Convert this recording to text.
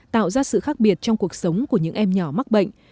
tạo ra sự khác biệt trong cuộc sống của những em nhỏ mắc bệnh